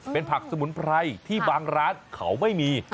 เป็นผักสมุนไพรที่บางร้านเขาไม่มี